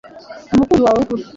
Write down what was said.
Umukunzi wawe w'ukuri